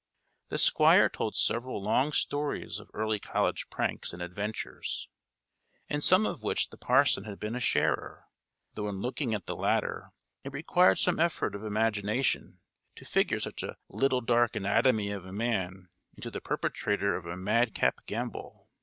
The Squire told several long stories of early college pranks and adventures, in some of which the parson had been a sharer; though in looking at the latter, it required some effort of imagination to figure such a little dark anatomy of a man into the perpetrator of a madcap gambol.